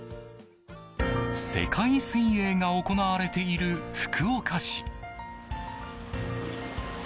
世界水泳が行われている福岡市。